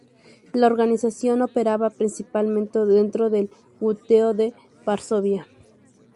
La organización operaba principalmente dentro del Gueto de Varsovia.